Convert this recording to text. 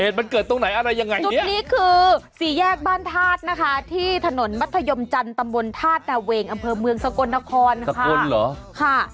จุดนี้คือสี่แยกบ้านธาตุนะคะที่ถนนมัธยมจันทร์ตำบลธาตุนาเวงอำเภอเมืองสกลนครค่ะ